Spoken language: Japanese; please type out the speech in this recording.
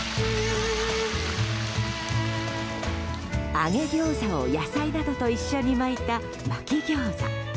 揚げ餃子を、野菜などと一緒に巻いたまき餃子。